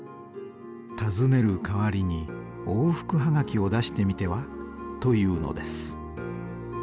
「訪ねる代わりに往復葉書を出してみては」と言うのです。